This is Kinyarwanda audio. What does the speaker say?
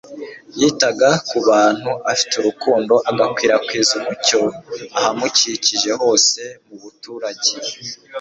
yitaga ku bantu afite urukundo agakwirakwiza umucyo ahamukikije hose mu buturugane.